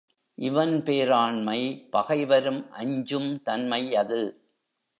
இவன் பேராண்மை பகைவரும் அஞ்சும் தன்மையது.